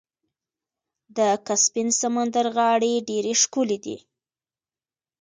د کسپین سمندر غاړې ډیرې ښکلې دي.